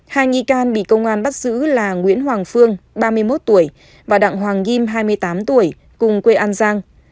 hai nghi can bị công an bắt giữ là nguyễn hoàng phương ba mươi một tuổi và đặng hoàng kim hai mươi tám tuổi cùng quê an giang